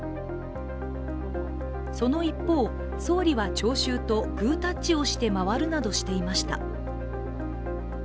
その一方、総理は聴衆とグータッチをして回るなどしていました。